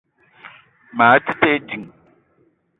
Maa te ding